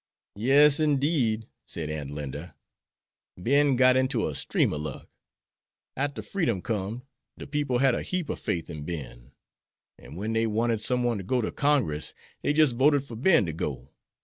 "Yes, indeed," said Aunt Linda, "Ben got inter a stream of luck. Arter freedom com'd, de people had a heap of fath in Ben; an' wen dey wanted some one to go ter Congress dey jist voted for Ben ter go.